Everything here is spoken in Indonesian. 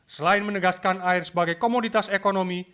selain menegaskan air sebagai komoditas ekonomi